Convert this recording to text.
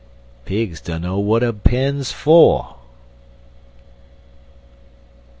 Pigs dunno w'at a pen's fer.